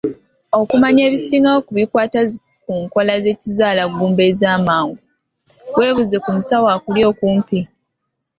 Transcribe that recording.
Okumanya ebisingawo ku bikwata ku nkola z'ekizaalaggumba ez'amangu, weebuuze ku musawo akuli okumpi.